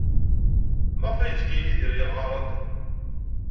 Maɣef ay yezga Yidir yeɣɣar-d?